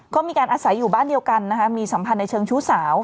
ก็มีการอาศัยอยู่บ้านเดียวกันนะคะมีสัมพันธ์ในเชิงชู้สาว